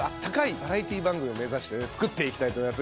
バラエティー番組を目指して作っていきたいと思います。